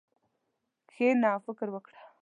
کښېنه او فکر وکړه.